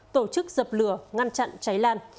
tổ chức dập lửa ngăn chặn cháy lan